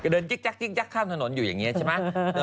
เดินจิ๊กข้ามถนนอยู่อย่างนี้ใช่ไหม